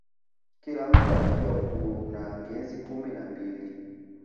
Kila mtu anajua kuna miezi kumi na mbili